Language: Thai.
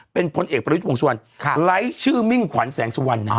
เป็นพลเอกประยุทธ์วงสุวรรณไร้ชื่อมิ่งขวัญแสงสุวรรณนะฮะ